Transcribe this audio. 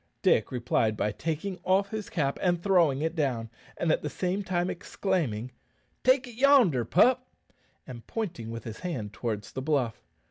Dick replied by taking off his cap and throwing it down, at the same time exclaiming, "Take it yonder, pup," and pointing with his hand towards the bluff.